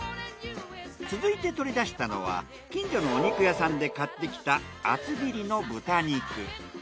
続いて取り出したのは近所のお肉屋さんで買ってきた厚切りの豚肉。